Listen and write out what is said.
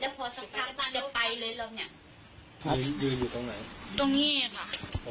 แล้วพอสักครั้งจะไปเลยแล้วไงอยู่ตรงไหนตรงนี้ค่ะ